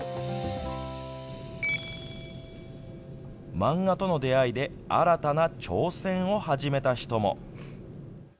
漫画との出会いで新たな挑戦を始めた人も。